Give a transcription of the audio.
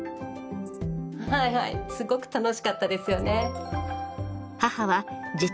はいはいすごく楽しかったですよね。